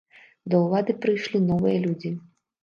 Да ўлады прыйшлі новыя людзі.